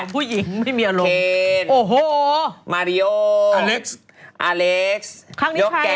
๕ผู้ชายจะลงเรือ